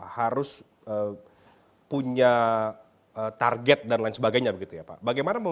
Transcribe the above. harus punya target dan lain sebagainya begitu ya pak